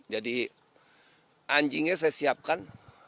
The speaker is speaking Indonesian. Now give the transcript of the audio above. jadi anjingnya saya siapkan